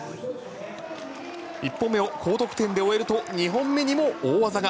１本目を高得点で終えると２本目にも大技が。